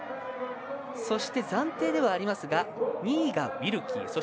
そして、暫定ではありますが２位がウィルキー。